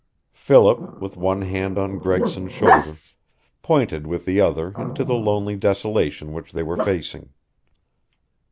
Philip, with one hand on Gregson's shoulder, pointed with the other into the lonely desolation which they were facing.